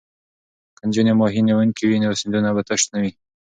که نجونې ماهي نیونکې وي نو سیندونه به تش نه وي.